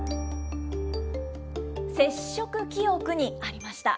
接触記憶にありました。